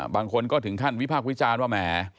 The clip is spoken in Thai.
บางคนก็ถึงขั้นวิพากษ์วิจารณ์ว่าแหม